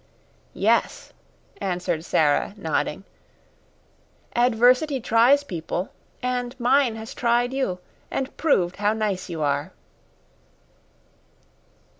"Yes," answered Sara, nodding. "Adversity tries people, and mine has tried you and proved how nice you are."